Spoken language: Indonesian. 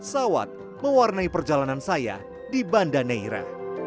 pesawat mewarnai perjalanan saya di banda neira